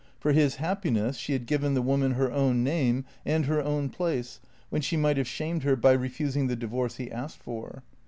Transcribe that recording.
For his hap piness she had given the woman her own name and her own place, when she might have shamed her by refusing the divorce he asked for.